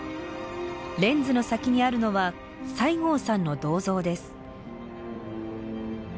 レンズの先にあるのは西郷さんの銅像です。